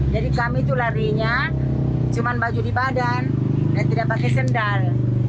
jadi kami itu larinya cuma baju di badan dan tidak pakai sendal